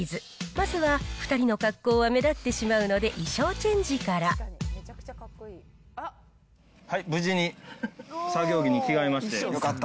まずは２人の格好は目立ってしまうので、無事に作業着に着替えましたよかった。